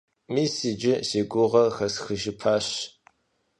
Мис иджы си гугъэр хэсхыжыпащ.